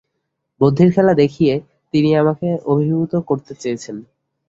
বুদ্ধির খেলা দেখিয়ে তিনি আমাকে অভিভূত করতে চেয়েছেন।